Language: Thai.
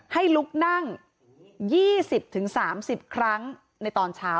ให้ลุกนั่ง๒๐๓๐ครั้งในตอนเช้า